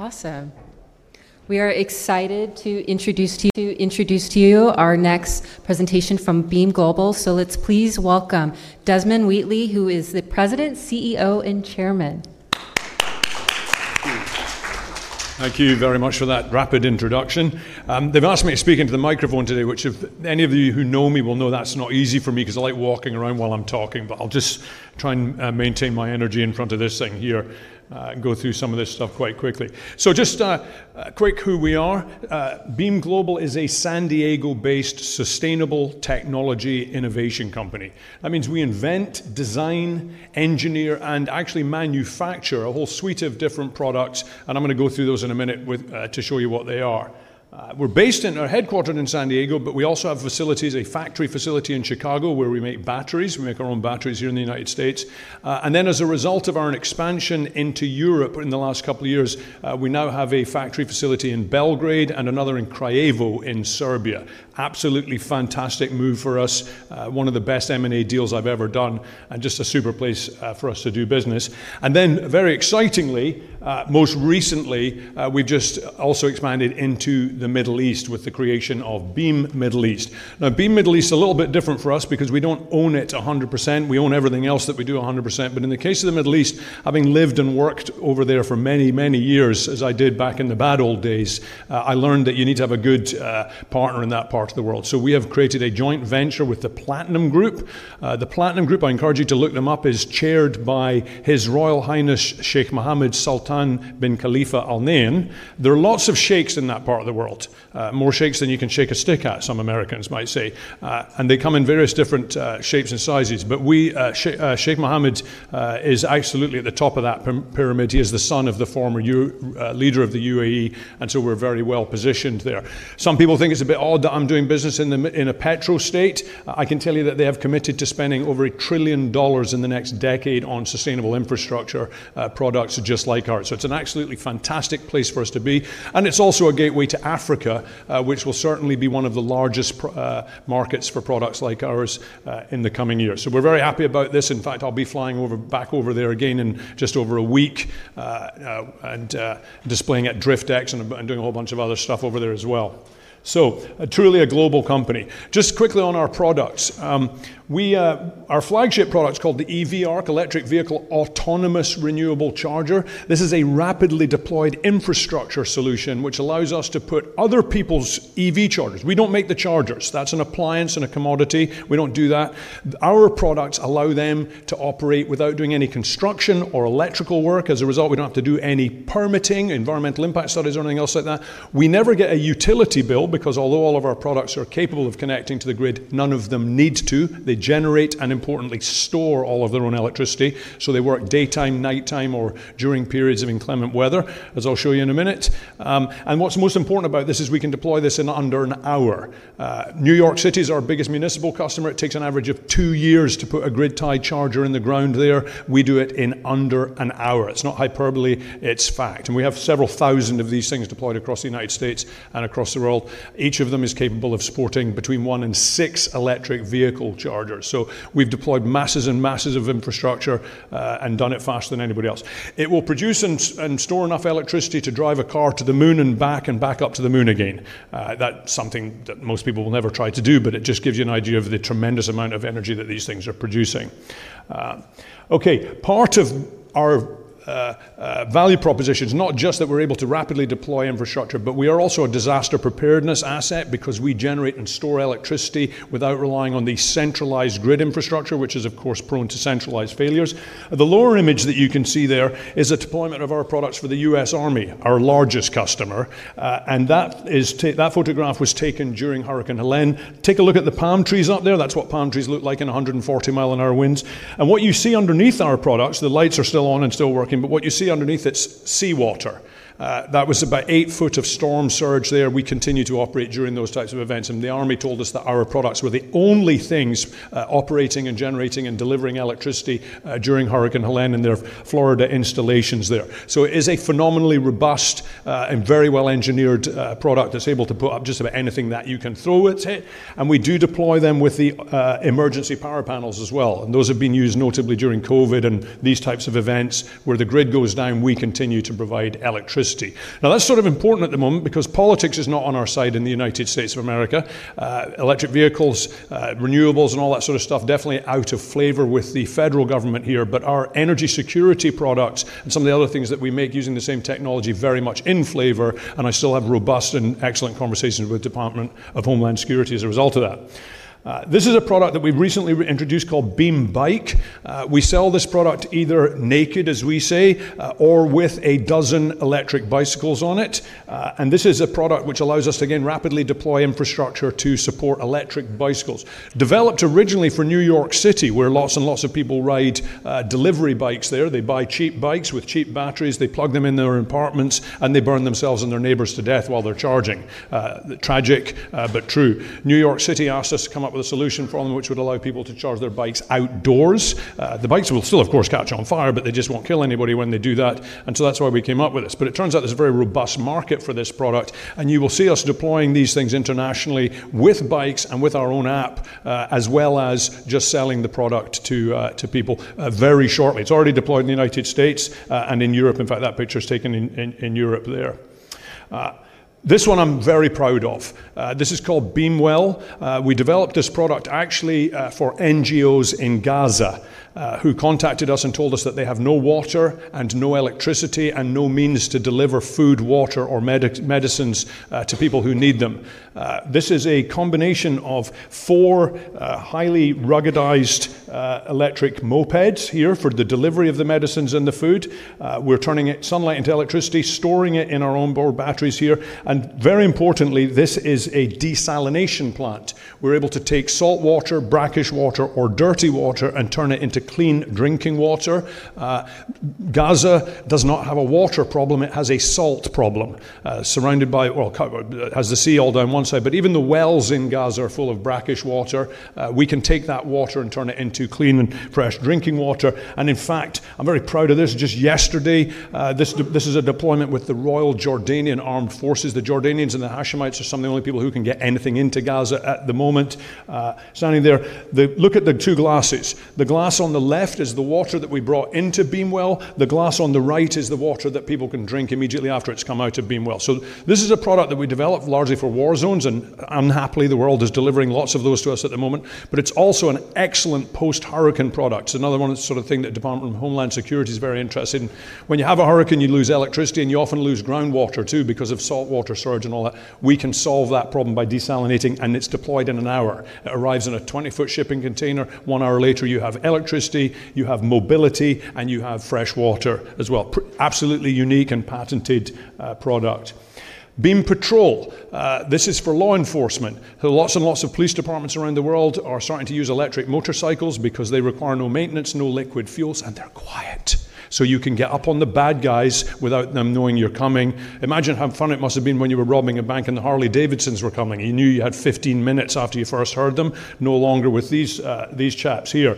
Awesome. We are excited to introduce to you our next presentation from Beam Global. Let's please welcome Desmond Wheatley, who is the President, CEO, and Chairman. Thank you very much for that rapid introduction. They've asked me to speak into the microphone today, which, if any of you who know me will know, that's not easy for me because I like walking around while I'm talking. I'll just try and maintain my energy in front of this thing here and go through some of this stuff quite quickly. Just a quick who we are. Beam Global is a San Diego-based sustainable technology innovation company. That means we invent, design, engineer, and actually manufacture a whole suite of different products. I'm going to go through those in a minute to show you what they are. We're headquartered in San Diego, but we also have facilities, a factory facility in Chicago, where we make batteries. We make our own batteries here in the United States. As a result of our expansion into Europe in the last couple of years, we now have a factory facility in Belgrade and another in Kraljevo in Serbia. Absolutely fantastic move for us. One of the best M&A deals I've ever done. Just a super place for us to do business. Very excitingly, most recently, we've just also expanded into the Middle East with the creation of Beam Middle East. Beam Middle East is a little bit different for us because we don't own it 100%. We own everything else that we do 100%. In the case of the Middle East, having lived and worked over there for many, many years, as I did back in the bad old days, I learned that you need to have a good partner in that part of the world. We have created a joint venture with Platinum Group. Platinum Group, I encourage you to look them up, is chaired by His Royal Highness Sheikh Mohammed Sultan bin Khalifa Al Nahyan. There are lots of sheikhs in that part of the world. More sheikhs than you can shake a stick at, some Americans might say. They come in various different shapes and sizes. Sheikh Mohammed is absolutely at the top of that pyramid. He is the son of the former leader of the U.A.E. We're very well positioned there. Some people think it's a bit odd that I'm doing business in a petro state. I can tell you that they have committed to spending over $1 trillion in the next decade on sustainable infrastructure products just like ours. It's an absolutely fantastic place for us to be. It's also a gateway to Africa, which will certainly be one of the largest markets for products like ours in the coming years. We're very happy about this. In fact, I'll be flying back over there again in just over a week and displaying at DriftX and doing a whole bunch of other stuff over there as well. Truly a global company. Just quickly on our products. Our flagship product is called the EV ARC, Electric Vehicle Autonomous Renewable Charger. This is a rapidly deployed infrastructure solution, which allows us to put other people's EV chargers. We don't make the chargers. That's an appliance and a commodity. We don't do that. Our products allow them to operate without doing any construction or electrical work. As a result, we don't have to do any permitting, environmental impact studies, or anything else like that. We never get a utility bill because, although all of our products are capable of connecting to the grid, none of them need to. They generate and, importantly, store all of their own electricity. They work daytime, nighttime, or during periods of inclement weather, as I'll show you in a minute. What's most important about this is we can deploy this in under an hour. New York City is our biggest municipal customer. It takes an average of two years to put a grid-tied charger in the ground there. We do it in under an hour. It's not hyperbole. It's fact. We have several thousand of these things deployed across the United States and across the world. Each of them is capable of supporting between one and six electric vehicle chargers. We've deployed masses and masses of infrastructure and done it faster than anybody else. It will produce and store enough electricity to drive a car to the moon and back and back up to the moon again. That's something that most people will never try to do. It just gives you an idea of the tremendous amount of energy that these things are producing. Part of our value proposition is not just that we're able to rapidly deploy infrastructure, but we are also a disaster preparedness asset because we generate and store electricity without relying on the centralized grid infrastructure, which is, of course, prone to centralized failures. The lower image that you can see there is a deployment of our products for the U.S. Army, our largest customer. That photograph was taken during Hurricane Helene. Take a look at the palm trees up there. That's what palm trees look like in 140-mile-an-hour winds. What you see underneath our products, the lights are still on and still working. What you see underneath, it's seawater. That was about eight foot of storm surge there. We continue to operate during those types of events. The Army told us that our products were the only things operating and generating and delivering electricity during Hurricane Helene at their Florida installations there. It is a phenomenally robust and very well-engineered product that's able to put up with just about anything that you can throw at it. We do deploy them with the emergency power panels as well, and those have been used notably during COVID and these types of events where the grid goes down. We continue to provide electricity. Now, that's sort of important at the moment because politics is not on our side in the United States of America. Electric vehicles, renewables, and all that sort of stuff are definitely out of flavor with the federal government here. Our energy security products and some of the other things that we make using the same technology are very much in flavor. I still have robust and excellent conversations with the Department of Homeland Security as a result of that. This is a product that we've recently introduced called BeamBike. We sell this product either naked, as we say, or with a dozen electric bicycles on it. This is a product which allows us to, again, rapidly deploy infrastructure to support electric bicycles. Developed originally for New York City, where lots and lots of people ride delivery bikes there, they buy cheap bikes with cheap batteries. They plug them in their apartments, and they burn themselves and their neighbors to death while they're charging. Tragic, but true. New York City asked us to come up with a solution for them, which would allow people to charge their bikes outdoors. The bikes will still, of course, catch on fire, but they just won't kill anybody when they do that. That's why we came up with this. It turns out there's a very robust market for this product. You will see us deploying these things internationally with bikes and with our own app, as well as just selling the product to people very shortly. It's already deployed in the United States and in Europe. In fact, that picture is taken in Europe there. This one I'm very proud of. This is called BeamWell. We developed this product actually for NGOs in Gaza who contacted us and told us that they have no water and no electricity and no means to deliver food, water, or medicines to people who need them. This is a combination of four highly ruggedized electric mopeds here for the delivery of the medicines and the food. We're turning sunlight into electricity, storing it in our onboard batteries here. Very importantly, this is a desalination plant. We're able to take salt water, brackish water, or dirty water and turn it into clean drinking water. Gaza does not have a water problem. It has a salt problem, surrounded by, it has the sea all down one side. Even the wells in Gaza are full of brackish water. We can take that water and turn it into clean and fresh drinking water. In fact, I'm very proud of this. Just yesterday, this is a deployment with the Royal Jordanian Armed Forces. The Jordanians and the Hashemites are some of the only people who can get anything into Gaza at the moment. Standing there, look at the two glasses. The glass on the left is the water that we brought into BeamWell. The glass on the right is the water that people can drink immediately after it's come out of BeamWell. This is a product that we developed largely for war zones. Unhappily, the world is delivering lots of those to us at the moment. It's also an excellent post-hurricane product. It's another one of the sort of things that the Department of Homeland Security is very interested in. When you have a hurricane, you lose electricity. You often lose groundwater, too, because of saltwater surge and all that. We can solve that problem by desalinating. It's deployed in an hour. It arrives in a 20 ft shipping container. One hour later, you have electricity, you have mobility, and you have fresh water as well. Absolutely unique and patented product. BeamPatrol. This is for law enforcement. Lots and lots of police departments around the world are starting to use electric motorcycles because they require no maintenance, no liquid fuels, and they're quiet. You can get up on the bad guys without them knowing you're coming. Imagine how fun it must have been when you were robbing a bank and the Harley Davidsons were coming. You knew you had 15 minutes after you first heard them. No longer with these chaps here.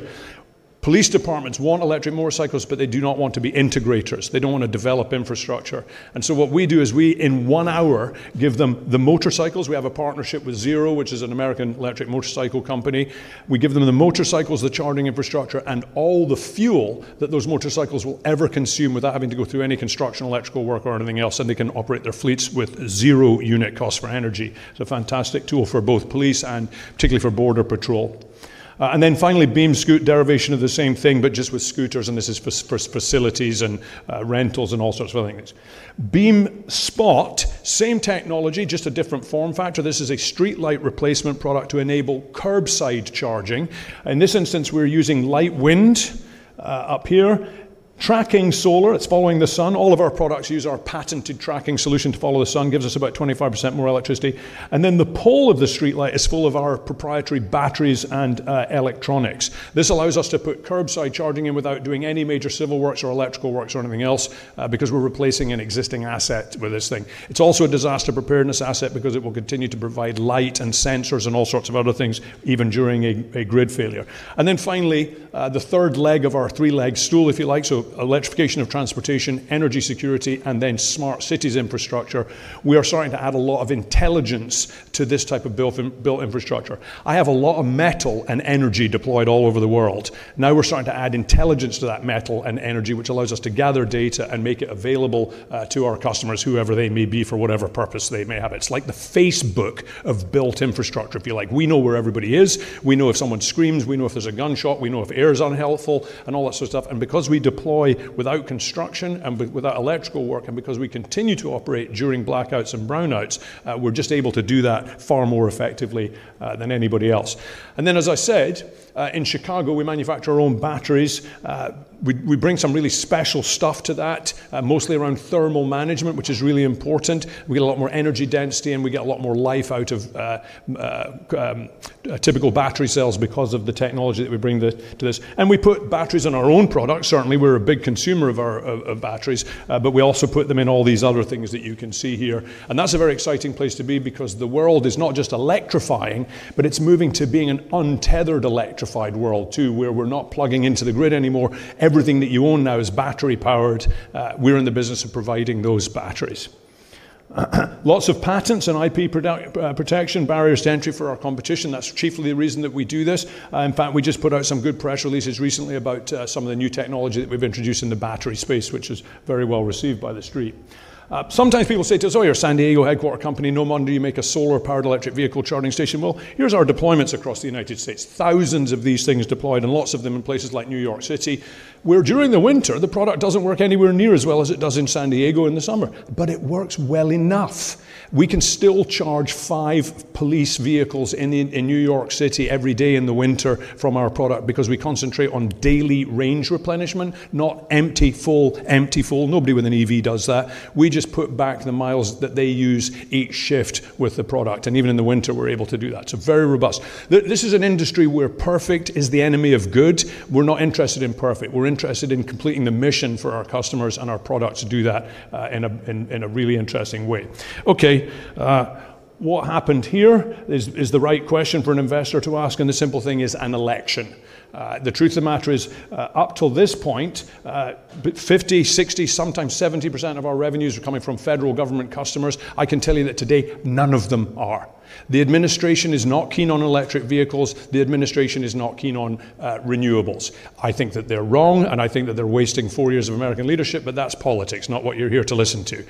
Police departments want electric motorcycles, but they do not want to be integrators. They don't want to develop infrastructure. What we do is we, in one hour, give them the motorcycles. We have a partnership with Zero, which is an American electric motorcycle company. We give them the motorcycles, the charging infrastructure, and all the fuel that those motorcycles will ever consume without having to go through any construction, electrical work, or anything else. They can operate their fleets with zero unit costs for energy. It's a fantastic tool for both police and particularly for Border Patrol. Finally, BeamScoot, derivation of the same thing, but just with scooters. This is for facilities and rentals and all sorts of other things. BeamSpot, same technology, just a different form factor. This is a streetlight replacement product to enable curbside charging. In this instance, we're using light wind up here, tracking solar. It's following the sun. All of our products use our patented tracking solution to follow the sun. Gives us about 25% more electricity. The pole of the streetlight is full of our proprietary batteries and electronics. This allows us to put curbside charging in without doing any major civil works or electrical works or anything else because we're replacing an existing asset with this thing. It's also a disaster preparedness asset because it will continue to provide light and sensors and all sorts of other things, even during a grid failure. Finally, the third leg of our three-legged stool, if you like: electrification of transportation, energy security, and then smart city infrastructure. We are starting to add a lot of intelligence to this type of built infrastructure. I have a lot of metal and energy deployed all over the world. Now we're starting to add intelligence to that metal and energy, which allows us to gather data and make it available to our customers, whoever they may be, for whatever purpose they may have. It's like the Facebook of built infrastructure, if you like. We know where everybody is. We know if someone screams. We know if there's a gunshot. We know if air is unhelpful and all that sort of stuff. Because we deploy without construction and without electrical work and because we continue to operate during blackouts and brownouts, we're just able to do that far more effectively than anybody else. As I said, in Chicago, we manufacture our own batteries. We bring some really special stuff to that, mostly around thermal management, which is really important. We get a lot more energy density, and we get a lot more life out of typical battery cells because of the technology that we bring to this. We put batteries in our own products, certainly. We're a big consumer of our batteries. We also put them in all these other things that you can see here. That is a very exciting place to be because the world is not just electrifying, but it's moving to being an untethered electrified world, too, where we're not plugging into the grid anymore. Everything that you own now is battery-powered. We're in the business of providing those batteries. Lots of patents and IP protection, barriers to entry for our competition. That is chiefly the reason that we do this. In fact, we just put out some good press releases recently about some of the new technology that we've introduced in the battery space, which is very well received by the street. Sometimes people say to us, oh, you're a San Diego headquartered company. No wonder you make a solar-powered electric vehicle charging station. Here are our deployments across the United States. Thousands of these things deployed and lots of them in places like New York City, where, during the winter, the product doesn't work anywhere near as well as it does in San Diego in the summer. It works well enough. We can still charge five police vehicles in New York City every day in the winter from our product because we concentrate on daily range replenishment, not empty, full, empty, full. Nobody with an EV does that. We just put back the miles that they use each shift with the product. Even in the winter, we're able to do that. Very robust. This is an industry where perfect is the enemy of good. We're not interested in perfect. We're interested in completing the mission for our customers. Our products do that in a really interesting way. What happened here is the right question for an investor to ask. The simple thing is an election. The truth of the matter is, up till this point, 50%, 60%, sometimes 70% of our revenues are coming from federal government customers. I can tell you that today, none of them are. The administration is not keen on electric vehicles. The administration is not keen on renewables. I think that they're wrong. I think that they're wasting four years of American leadership. That is politics, not what you're here to listen to.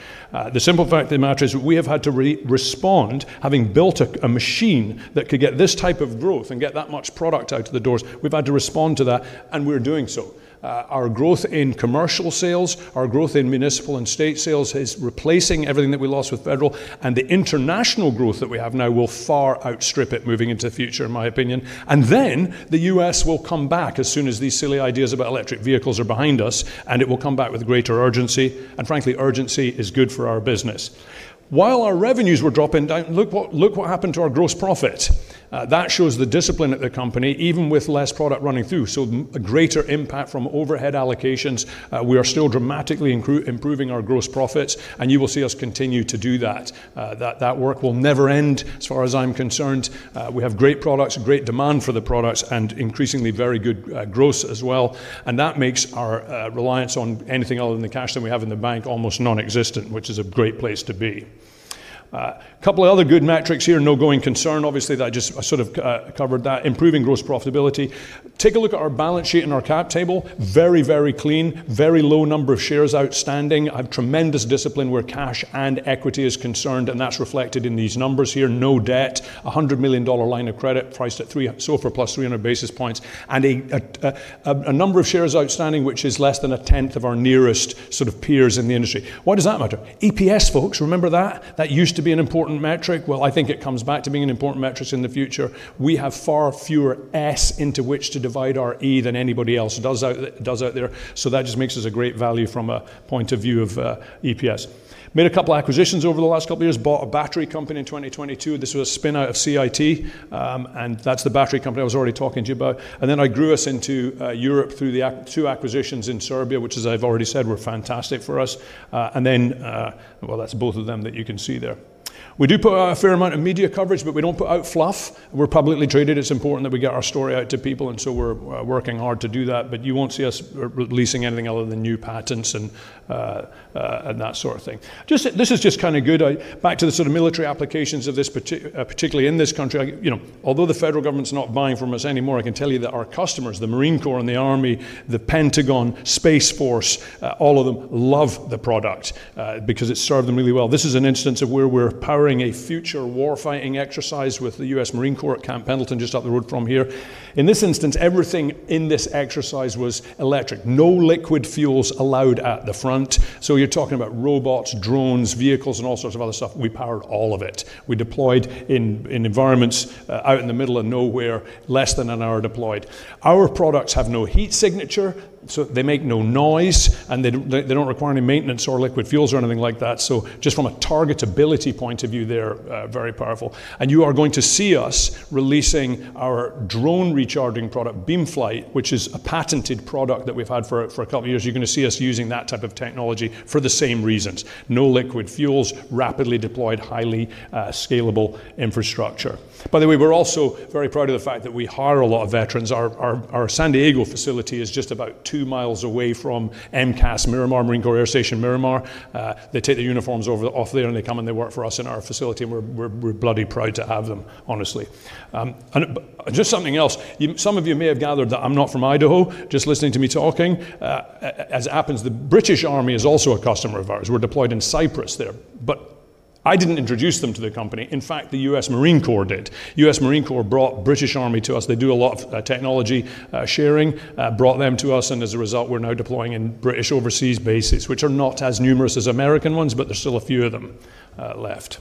The simple fact of the matter is that we have had to respond, having built a machine that could get this type of growth and get that much product out of the doors. We've had to respond to that. We're doing so. Our growth in commercial sales, our growth in municipal and state sales is replacing everything that we lost with federal. The international growth that we have now will far outstrip it moving into the future, in my opinion. The U.S. will come back as soon as these silly ideas about electric vehicles are behind us. It will come back with greater urgency. Frankly, urgency is good for our business. While our revenues were dropping down, look what happened to our gross profits. That shows the discipline of the company, even with less product running through, so a greater impact from overhead allocations. We are still dramatically improving our gross profits, and you will see us continue to do that. That work will never end, as far as I'm concerned. We have great products, great demand for the products, and increasingly very good growth as well. That makes our reliance on anything other than the cash that we have in the bank almost nonexistent, which is a great place to be. A couple of other good metrics here. No going concern, obviously. I just sort of covered that. Improving gross profitability. Take a look at our balance sheet and our cap table. Very, very clean. Very low number of shares outstanding. I have tremendous discipline where cash and equity is concerned, and that's reflected in these numbers here. No debt. A $100 million line of credit priced at SOFR +300 basis points. A number of shares outstanding, which is less than a tenth of our nearest sort of peers in the industry. Why does that matter? EPS, folks, remember that? That used to be an important metric. I think it comes back to being an important metric in the future. We have far fewer S into which to divide our E than anybody else does out there. That just makes us a great value from a point of view of EPS. Made a couple of acquisitions over the last couple of years. Bought a battery company in 2022. This was a spin-out of CIT, and that's the battery company I was already talking to you about. I grew us into Europe through the two acquisitions in Serbia, which, as I've already said, were fantastic for us. That's both of them that you can see there. We do put out a fair amount of media coverage, but we don't put out fluff. We're publicly traded. It's important that we get our story out to people, and so we're working hard to do that. You won't see us releasing anything other than new patents and that sort of thing. This is just kind of good. Back to the sort of military applications of this, particularly in this country. Although the federal government's not buying from us anymore, I can tell you that our customers, the Marine Corps and the Army, the Pentagon, Space Force, all of them love the product because it's served them really well. This is an instance of where we're powering a future war-fighting exercise with the U.S. Marine Corps at Camp Pendleton, just up the road from here. In this instance, everything in this exercise was electric. No liquid fuels allowed at the front. You're talking about robots, drones, vehicles, and all sorts of other stuff. We powered all of it. We deployed in environments out in the middle of nowhere, less than an hour deployed. Our products have no heat signature. They make no noise, and they don't require any maintenance or liquid fuels or anything like that. Just from a targetability point of view, they're very powerful. You are going to see us releasing our drone recharging product, BeamFlight, which is a patented product that we've had for a couple of years. You're going to see us using that type of technology for the same reasons. No liquid fuels, rapidly deployed, highly scalable infrastructure. By the way, we're also very proud of the fact that we hire a lot of veterans. Our San Diego facility is just about 2 mi away from MCAS, Miramar Marine Corps Air Station, Miramar. They take the uniforms off there, and they come and they work for us in our facility. We're bloody proud to have them, honestly. Just something else. Some of you may have gathered that I'm not from Idaho, just listening to me talking. As it happens, the British Army is also a customer of ours. We're deployed in Cyprus there, but I didn't introduce them to the company. In fact, the U.S. Marine Corps did. U.S. Marine Corps brought the British Army to us. They do a lot of technology sharing, brought them to us, and as a result, we're now deploying in British overseas bases, which are not as numerous as American ones. There's still a few of them left.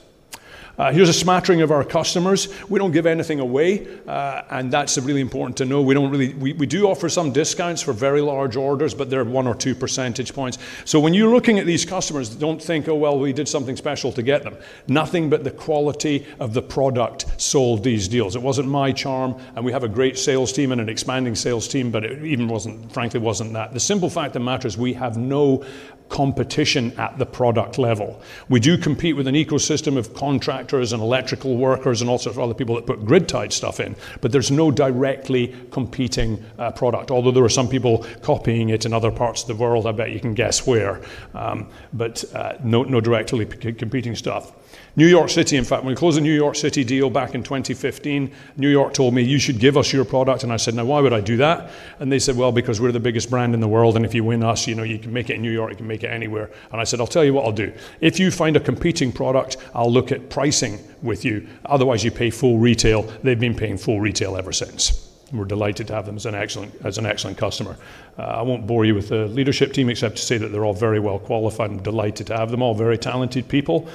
Here's a smattering of our customers. We don't give anything away, and that's really important to know. We do offer some discounts for very large orders, but they're 1 or 2 percentage points. When you're looking at these customers, don't think, oh, we did something special to get them. Nothing but the quality of the product sold these deals. It wasn't my charm. We have a great sales team and an expanding sales team. It even frankly wasn't that. The simple fact of the matter is we have no competition at the product level. We do compete with an ecosystem of contractors and electrical workers and all sorts of other people that put grid-tied stuff in. There's no directly competing product. Although there are some people copying it in other parts of the world. I bet you can guess where. No directly competing stuff. New York City, in fact, when we closed the New York City deal back in 2015, New York told me, you should give us your product. I said, now, why would I do that? They said, because we're the biggest brand in the world. If you win us, you can make it in New York. You can make it anywhere. I said, I'll tell you what I'll do. If you find a competing product, I'll look at pricing with you. Otherwise, you pay full retail. They've been paying full retail ever since. We're delighted to have them as an excellent customer. I won't bore you with the leadership team, except to say that they're all very well qualified. I'm delighted to have them. All very talented people.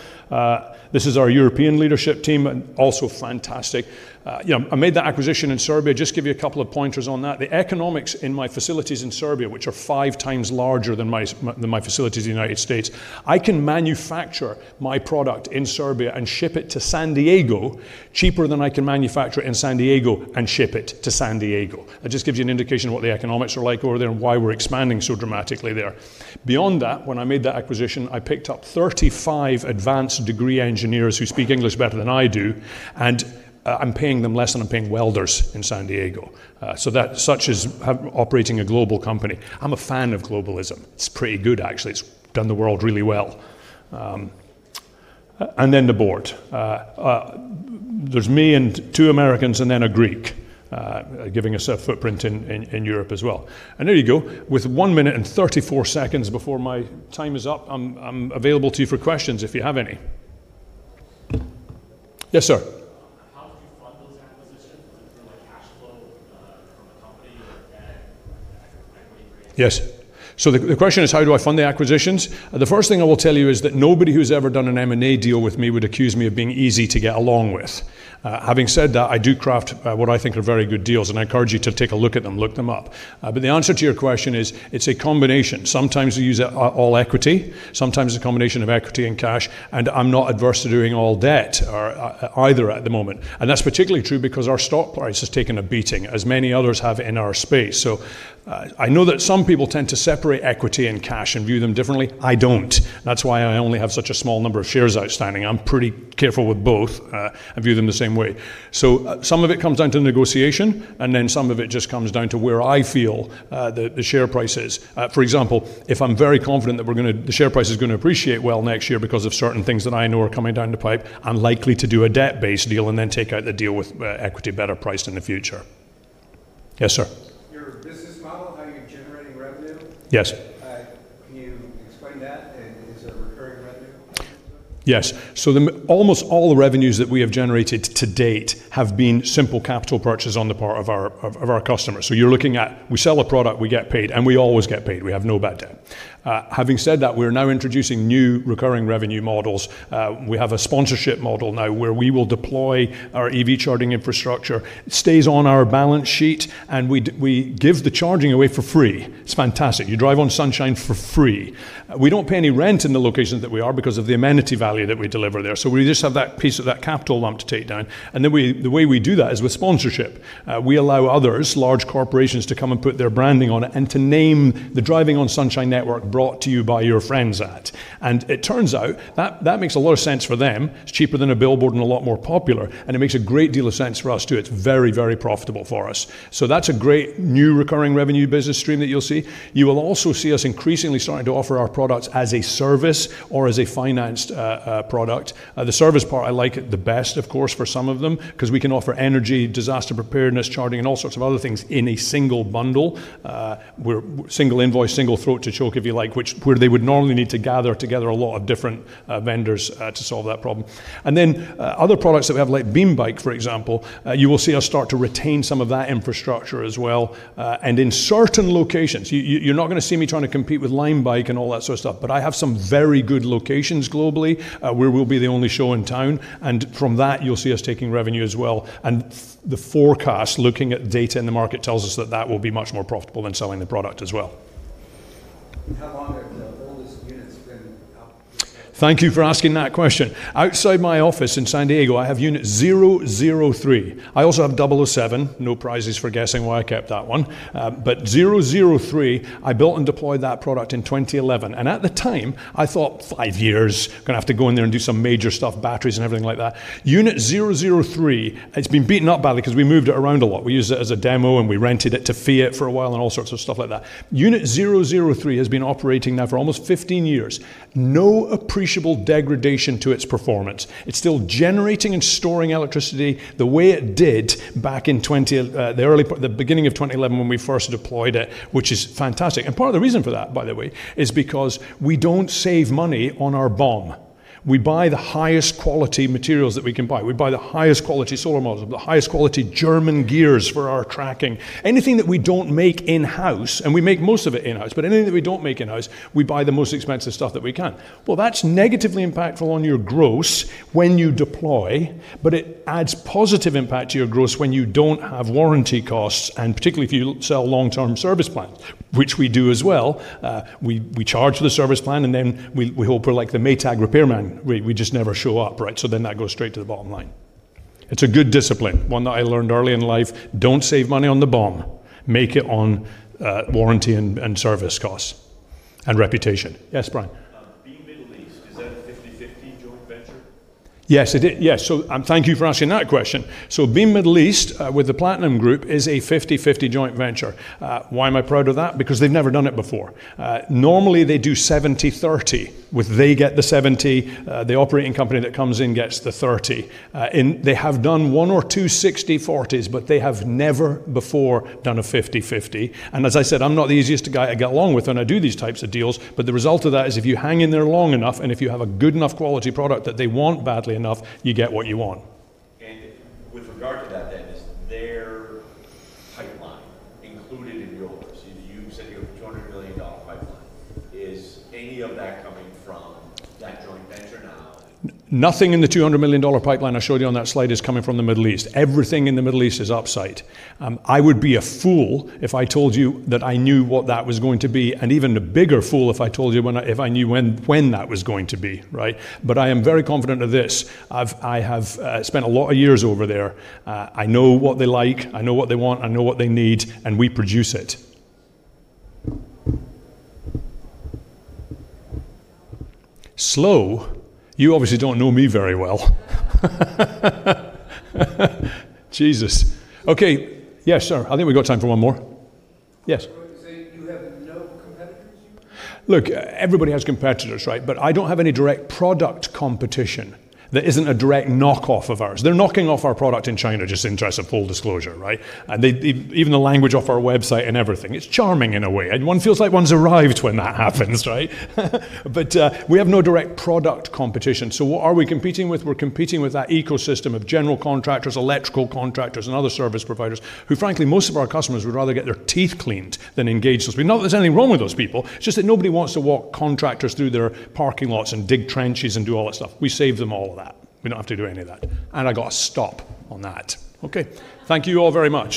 This is our European leadership team and also fantastic. I made that acquisition in Serbia. Just give you a couple of pointers on that. The economics in my facilities in Serbia, which are 5x larger than my facilities in the United States, I can manufacture my product in Serbia and ship it to San Diego cheaper than I can manufacture it in San Diego and ship it to San Diego. That just gives you an indication of what the economics are like over there and why we're expanding so dramatically there. Beyond that, when I made that acquisition, I picked up 35 advanced degree engineers who speak English better than I do. I'm paying them less than I'm paying welders in San Diego. That's such as operating a global company. I'm a fan of globalism. It's pretty good, actually. It's done the world really well. Then the board. There's me and two Americans and then a Greek giving us a footprint in Europe as well. There you go. With one minute and 34 seconds before my time is up, I'm available to you for questions if you have any. Yes, sir. The question is, how do I fund the acquisitions? The first thing I will tell you is that nobody who's ever done an M&A deal with me would accuse me of being easy to get along with. Having said that, I do craft what I think are very good deals. I encourage you to take a look at them. Look them up. The answer to your question is, it's a combination. Sometimes we use all equity. Sometimes it's a combination of equity and cash. I'm not adverse to doing all debt either at the moment. That's particularly true because our stock price has taken a beating, as many others have in our space. I know that some people tend to separate equity and cash and view them differently. I don't. That's why I only have such a small number of shares outstanding. I'm pretty careful with both and view them the same way. Some of it comes down to negotiation, and some of it just comes down to where I feel the share price is. For example, if I'm very confident that the share price is going to appreciate well next year because of certain things that I know are coming down the pipe, I'm likely to do a debt-based deal and then take out the deal with equity better priced in the future. Yes, sir. Your business model, how you're generating revenue? Yes. Can you explain that? Is there recurring revenue? Yes. Almost all the revenues that we have generated to date have been simple capital purchases on the part of our customers. You're looking at, we sell a product, we get paid, and we always get paid. We have no bad debt. Having said that, we are now introducing new recurring revenue models. We have a sponsorship model now where we will deploy our EV charging infrastructure. It stays on our balance sheet, and we give the charging away for free. It's fantastic. You drive on sunshine for free. We don't pay any rent in the locations that we are because of the amenity value that we deliver there. We just have that piece of that capital lump to take down. The way we do that is with sponsorship. We allow others, large corporations, to come and put their branding on it and to name the driving on sunshine network brought to you by your friends at. It turns out that makes a lot of sense for them. It's cheaper than a billboard and a lot more popular. It makes a great deal of sense for us, too. It's very, very profitable for us. That's a great new recurring revenue business stream that you'll see. You will also see us increasingly starting to offer our products as a service or as a financed product. The service part, I like it the best, of course, for some of them because we can offer energy, disaster preparedness, charging, and all sorts of other things in a single bundle. We're single invoice, single throat to choke, if you like, where they would normally need to gather together a lot of different vendors to solve that problem. Other products that we have, like BeamBike, for example, you will see us start to retain some of that infrastructure as well. In certain locations, you're not going to see me trying to compete with LimeBike and all that sort of stuff. I have some very good locations globally where we'll be the only show in town. From that, you'll see us taking revenue as well. The forecast, looking at data in the market, tells us that that will be much more profitable than selling the product as well. How long have the oldest units been out? Thank you for asking that question. Outside my office in San Diego, I have unit 003. I also have 007. No prizes for guessing why I kept that one. 003, I built and deployed that product in 2011. At the time, I thought, five years, going to have to go in there and do some major stuff, batteries and everything like that. Unit 003, it's been beaten up by that because we moved it around a lot. We used it as a demo, and we rented it to Fiat for a while and all sorts of stuff like that. Unit 003 has been operating now for almost 15 years. No appreciable degradation to its performance. It's still generating and storing electricity the way it did back in the beginning of 2011 when we first deployed it, which is fantastic. Part of the reason for that, by the way, is because we don't save money on our BOM. We buy the highest quality materials that we can buy. We buy the highest quality solar modules, the highest quality German gears for our tracking. Anything that we don't make in-house, and we make most of it in-house, but anything that we don't make in-house, we buy the most expensive stuff that we can. That is negatively impactful on your gross when you deploy. It adds positive impact to your gross when you don't have warranty costs, and particularly if you sell long-term service plans, which we do as well. We charge for the service plan, and then we hope we're like the Maytag repairman. We just never show up, right? That goes straight to the bottom line. It's a good discipline, one that I learned early in life. Don't save money on the BOM. Make it on warranty and service costs and reputation. Yes, Brian. Beam Middle East, is that a 50/50 joint venture? Yes, it is. Yes. Thank you for asking that question. Beam Middle East with Platinum Group is a 50/50 joint venture. Why am I proud of that? Because they've never done it before. Normally, they do 70/30, where they get the 70. The operating company that comes in gets the 30. They have done one or two 60/40s. They have never before done a 50/50. As I said, I'm not the easiest guy to get along with when I do these types of deals. The result of that is if you hang in there long enough and if you have a good enough quality product that they want badly enough, you get what you want. With regard to that, then, is their pipeline included in yours? You said you have a $200 million pipeline. Is any of that coming from that joint venture now? Nothing in the $200 million pipeline I showed you on that slide is coming from the Middle East. Everything in the Middle East is offsite. I would be a fool if I told you that I knew what that was going to be, and even a bigger fool if I told you if I knew when that was going to be, right? I am very confident of this. I have spent a lot of years over there. I know what they like. I know what they want. I know what they need. We produce it. How long? You obviously don't know me very well. Jesus. OK, yes, sir. I think we've got time for one more. Yes. You have no competitors, you? Look, everybody has competitors, right? I don't have any direct product competition that isn't a direct knockoff of ours. They're knocking off our product in China, just in the interest of full disclosure, right? They even take the language off our website and everything. It's charming in a way. One feels like one's arrived when that happens, right? We have no direct product competition. What are we competing with? We're competing with that ecosystem of general contractors, electrical contractors, and other service providers who, frankly, most of our customers would rather get their teeth cleaned than engage those. Not that there's anything wrong with those people. It's just that nobody wants to walk contractors through their parking lots and dig trenches and do all that stuff. We save them all of that. We don't have to do any of that. I got to stop on that. Thank you all very much.